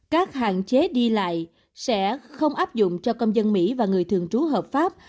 các hạn chế đi lại sẽ không áp dụng cho công dân mỹ và người thường trú hợp pháp